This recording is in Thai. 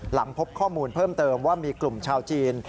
หลังพบข้อมูลเพิ่มเติมว่ามีกลุ่มชาวจีน